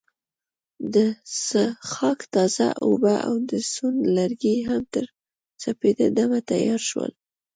د څښاک تازه اوبه او د سون لرګي هم تر سپیده دمه تیار شول.